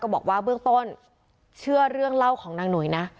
บอกว่าเบื้องต้นเชื่อเรื่องเล่าของนางหนุ่ยนะ